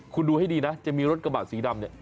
คุณดูให้ดีนะจะมีรถกระบะสีดำเนี่ย